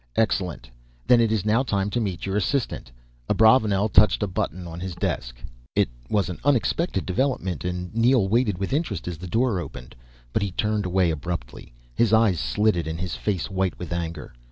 "Excellent. Then it is now time to meet your assistant." Abravanel touched a button on his desk. It was an unexpected development and Neel waited with interest as the door opened. But he turned away abruptly, his eyes slitted and his face white with anger.